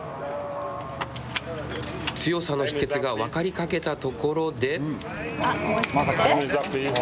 強さの秘けつが分かりかけたところで。